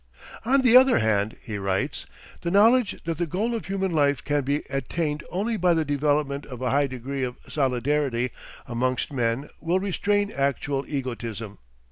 "On the other hand," he writes, "the knowledge that the goal of human life can be attained only by the development of a high degree of solidarity amongst men will restrain actual egotism.